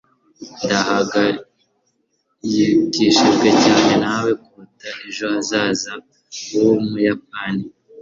Ndahangayikishijwe cyane nawe kuruta ejo hazaza h'Ubuyapani.